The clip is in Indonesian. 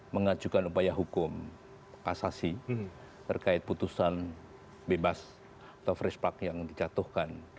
mengajukan upaya hukum kasasi terkait putusan bebas atau fresh park yang dijatuhkan